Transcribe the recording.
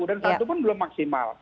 dan satu pun belum maksimal